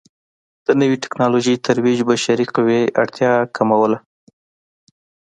د نوې ټکنالوژۍ ترویج بشري قوې اړتیا کموله.